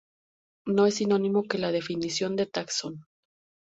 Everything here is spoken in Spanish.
No es sinónimo que la definición de "taxón".